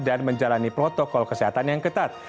dan menjalani protokol kesehatan yang ketat